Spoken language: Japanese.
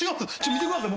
見てください